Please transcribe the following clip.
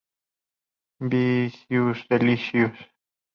Vicious Delicious.